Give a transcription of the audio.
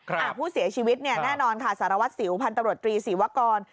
ครับอ่าผู้เสียชีวิตเนี้ยแน่นอนค่ะสารวัตรสิวพันธุ์ตำรวจตรีสีวะกร